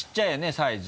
サイズ。